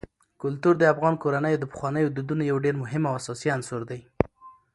کلتور د افغان کورنیو د پخوانیو دودونو یو ډېر مهم او اساسي عنصر دی.